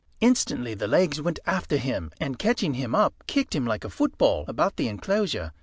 Instantly the legs went after him, and catching him up kicked him like a football about the enclosure.